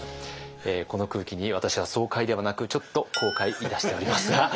この空気に私は爽快ではなくちょっと後悔いたしておりますが。